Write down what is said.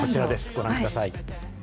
ご覧ください。